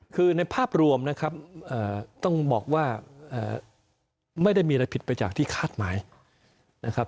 คือในภาพรวมนะครับต้องบอกว่าไม่ได้มีอะไรผิดไปจากที่คาดหมายนะครับ